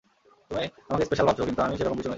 তুমি আমাকে স্পেশাল ভাবছ, কিন্তু আমি সেরকম কিছু নই।